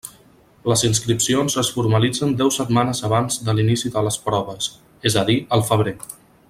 Les inscripcions es formalitzen deu setmanes abans de l'inici de les proves, és a dir, al febrer.